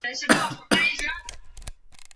妻子赵曾玖则任职于贵州省科委。